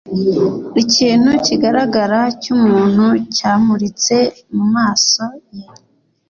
Ikintu kigaragara cyumuntu cyamuritse mumaso ye